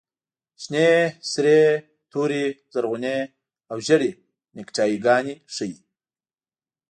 شنې، سرې، تورې، زرغونې او زېړې نیکټایي ګانې ښیي.